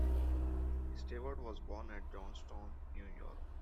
Stewart was born at Johnstown, New York.